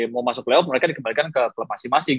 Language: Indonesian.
mau masuk playoff mereka dikembalikan ke peluang masing masing